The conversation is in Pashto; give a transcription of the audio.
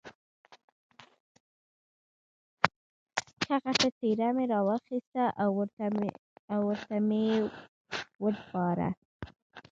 ښه غټه تیږه مې را واخسته او ورته مې یې وډباړه.